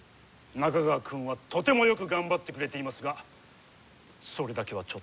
中川君はとてもよく頑張ってくれていますがそれだけはちょっと。